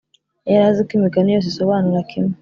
yari azi ko imigani yose isobanura kimwe,